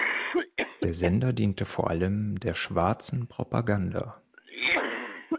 Der Sender diente vor allem der „schwarzen Propaganda“.